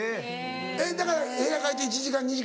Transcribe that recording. えっだから部屋帰って１時間２時間。